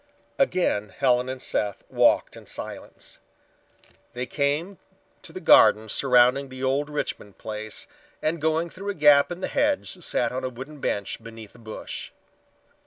Again Helen and Seth walked in silence. They came to the garden surrounding the old Richmond place and going through a gap in the hedge sat on a wooden bench beneath a bush.